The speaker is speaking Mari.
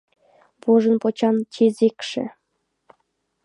Вожын почан чезекше